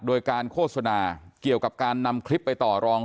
โดยการโฆษณาเกี่ยวกับการนำคลิปไปต่อรอง